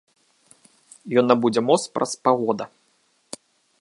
Ён набудзе моц праз паўгода.